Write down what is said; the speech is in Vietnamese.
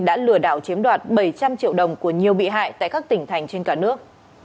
đã lừa đảo chiếm đoạt bảy trăm linh triệu đồng của nhiều bị hại tại các tỉnh thành trên cả nước